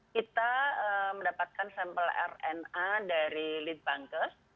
kita mendapatkan sampel rna dari lead bankers